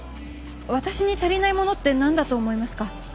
私に足りないものって何だと思いますか？